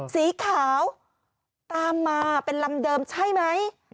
สีขาวตามมาเป็นลำเดิมใช่ไหม